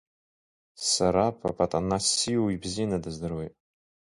Сара Папатанассиу ибзианы дыздыруеит.